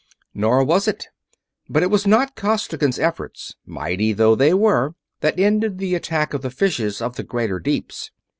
Nor was it; but it was not Costigan's efforts, mighty though they were, that ended the attack of the fishes of the greater deeps.